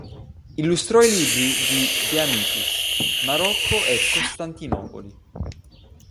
Illustrò i libri di De Amicis "Marocco" e "Costantinopoli".